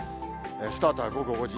スタートは午後５時。